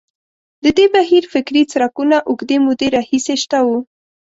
د دې بهیر فکري څرکونه اوږدې مودې راهیسې شته وو.